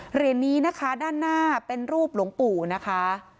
เหรียญนี้นะคะด้านหน้าเป็นรูปหลวงปู่นะคะ